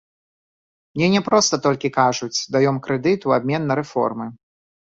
Мне не проста толькі кажуць, даём крэдыт у абмен на рэформы.